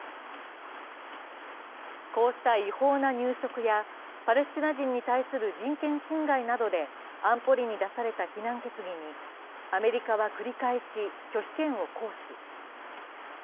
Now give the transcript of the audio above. こうした違法な入植や、パレスチナ人に対する人権侵害などで安保理に出された非難決議にアメリカは繰り返し拒否権を行使。